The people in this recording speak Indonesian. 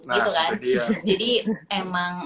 nah ada dia jadi emang